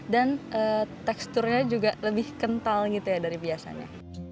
dan teksturnya juga lebih kental gitu ya dari biasanya